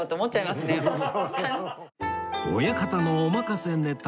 親方のお任せネタ